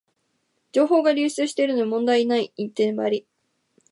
情報が流出してるのに問題ないの一点張り